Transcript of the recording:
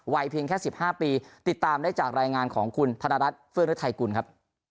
เพียงแค่๑๕ปีติดตามได้จากรายงานของคุณธนรัฐเฟื่องฤทัยกุลครับ